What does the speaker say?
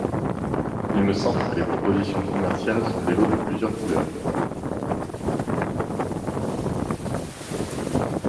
Il me semble que les propositions commerciales sont des lots de plusieurs couleurs.